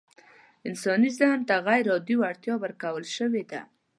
انساني ذهن ته غيرعادي وړتيا ورکول شوې ده.